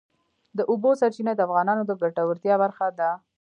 د اوبو سرچینې د افغانانو د ګټورتیا برخه ده.